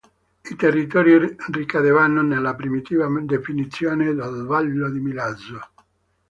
I territori ricadevano nella primitiva definizione del Vallo di Milazzo.